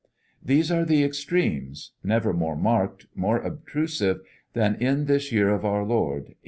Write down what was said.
These are the extremes, never more marked, more obtrusive, than in this year of our Lord 1898.